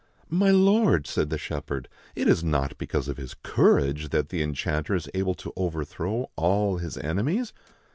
" My lord," said the shepherd, " it is not because of his courage that the enchanter is able to overthrow all his enemies."